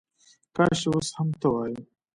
کاش چې وس هم ته وای